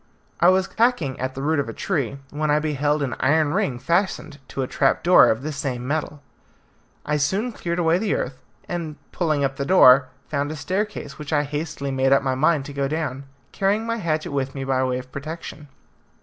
I was hacking at the root of a tree, when I beheld an iron ring fastened to a trapdoor of the same metal. I soon cleared away the earth, and pulling up the door, found a staircase, which I hastily made up my mind to go down, carrying my hatchet with me by way of protection.